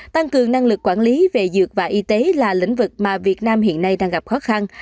tăng cường năng lực quản lý về dược và y tế là lĩnh vực mà việt nam hiện nay đang gặp khó khăn